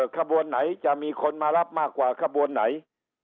ขบวนไหนจะมีคนมารับมากกว่าขบวนไหน